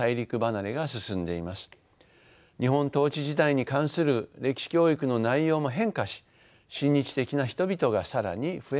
日本統治時代に関する歴史教育の内容も変化し親日的な人々が更に増えました。